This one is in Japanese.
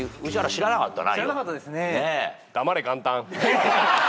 知らなかったな。